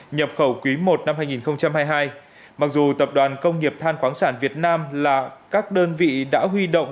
nhập khẩu quý i năm hai nghìn hai mươi hai mặc dù tập đoàn công nghiệp than khoáng sản việt nam là các đơn vị đã huy động